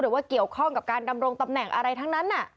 หรือว่าเกี่ยวข้องกับการดำรงตำแหน่งอะไรทั้งนั้น